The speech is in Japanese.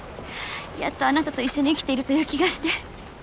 やっとあなたと一緒に生きているという気がして。